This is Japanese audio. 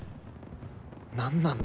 何なんだ？